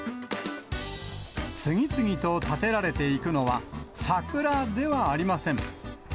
次々と立てられていくのは、桜ではありません。